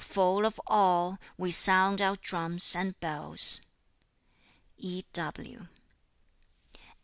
Full of awe, we sound our drums and bells." E. W.